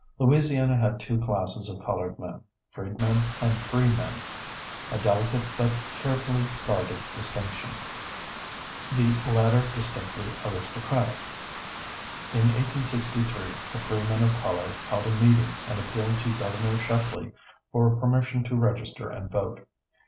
Louisiana had two classes of colored men, freedmen and free men, a delicate, but carefully guarded distinction, the latter distinctly aristocratic. In 1863, the free men of color held a meeting and appealed to Governor Shepley for permission to register and vote.